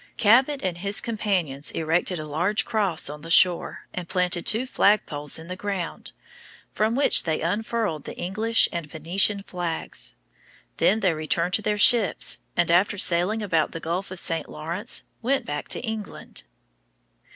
Cabot and his companions erected a large cross on the shore, and planted two flagpoles in the ground, from which they unfurled the English and Venetian flags. Then they returned to their ships, and, after sailing about the Gulf of St. Lawrence, went back to England.